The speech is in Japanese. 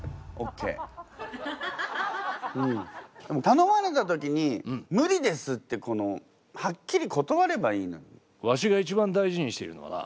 たのまれたときに無理ですってはっきり断ればいいのに。